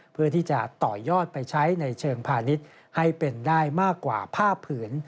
เพื่อที่จะต่อยอดไปใช้ในเชิงพาณิชย์ให้เป็นได้มากกว่าผ้าผืน